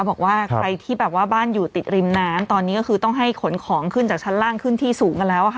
บอกว่าใครที่แบบว่าบ้านอยู่ติดริมน้ำตอนนี้ก็คือต้องให้ขนของขึ้นจากชั้นล่างขึ้นที่สูงกันแล้วค่ะ